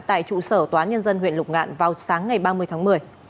tại trụ sở tnh huyện lục ngạn vào sáng ngày ba mươi tháng một mươi